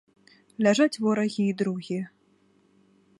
Ляжаць ворагі і другі.